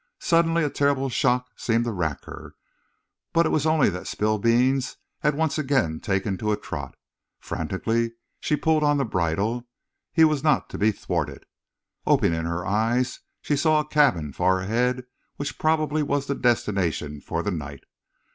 Suddenly a terrible shock seemed to rack her. But it was only that Spillbeans had once again taken to a trot. Frantically she pulled on the bridle. He was not to be thwarted. Opening her eyes, she saw a cabin far ahead which probably was the destination for the night.